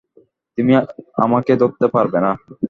তুমি আমাকে ধরতে পারবে না।